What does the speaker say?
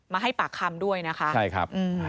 มาให้ปากคำด้วยนะคะ